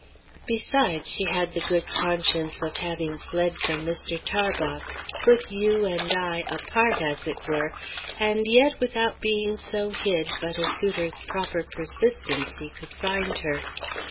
Besides, she had the good conscience of having fled from Mr. Tarbox put U. and I. apart, as it were and yet without being so hid but a suitor's proper persistency could find her.